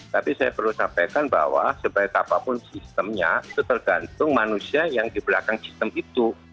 tapi saya perlu sampaikan bahwa sebaik apapun sistemnya itu tergantung manusia yang di belakang sistem itu